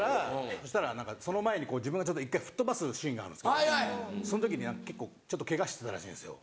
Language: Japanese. そしたら何かその前に自分がちょっと一回吹っ飛ばすシーンがあるんですけどその時に何か結構ちょっとケガしてたらしいんですよ。